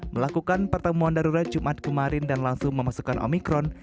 melakukan pertemuan darurat jumat kemarin dan langsung memasukkan omikron